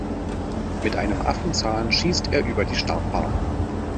Mit einem Affenzahn schießt er über die Startbahn.